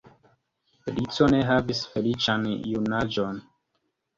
Rico ne havis feliĉan junaĝon.